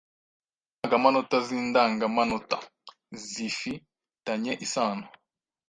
Indangamanota zi Indangamanota zifi tanye isano